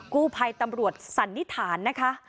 กู้ภัยตำรวจสันนิษฐานนะคะ